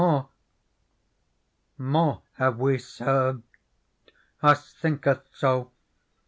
' More have we served, us thinketh so.